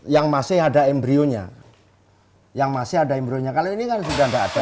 yang masih ada embryonya yang masih ada embryonya kalau ini kan sudah tidak ada